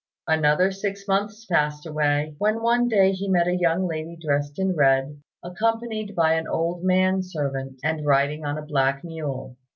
Another six months passed away, when one day he met a young lady dressed in red, accompanied by an old man servant, and riding on a black mule.